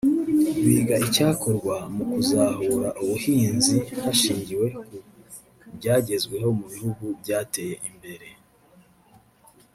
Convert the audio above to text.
biga icyakorwa mu kuzahura ubuhinzi hashingiwe ku byagezweho mu bihugu byateye imbere